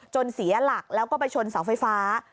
เสียหลักแล้วก็ไปชนเสาไฟฟ้า